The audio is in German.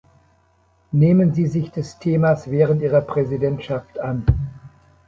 Nehmen Sie sich des Themas während Ihrer Präsidentschaft an.